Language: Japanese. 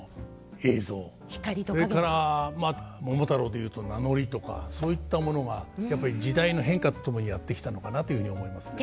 それから「桃太郎」でいうと名乗りとかそういったものがやっぱり時代の変化とともにやって来たのかなというふうに思いますね。